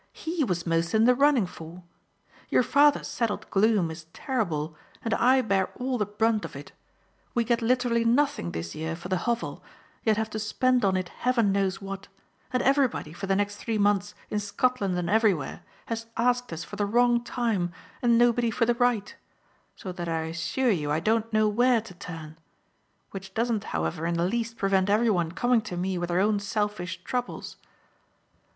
HE was most in the running for. Your father's settled gloom is terrible, and I bear all the brunt of it; we get literally nothing this year for the Hovel, yet have to spend on it heaven knows what; and everybody, for the next three months, in Scotland and everywhere, has asked us for the wrong time and nobody for the right: so that I assure you I don't know where to turn which doesn't however in the least prevent every one coming to me with their own selfish troubles."